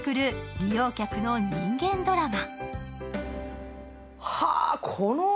利用客の人間ドラマ。